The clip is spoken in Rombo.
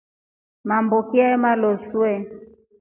Mamboki aamaloosu.